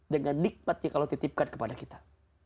dengan nikmat yang allah titipkan kepada kita